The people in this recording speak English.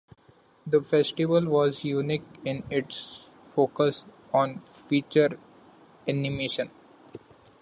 The festival was unique in its focus on feature animation.